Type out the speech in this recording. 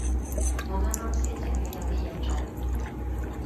我啱啱先醒起有啲嘢做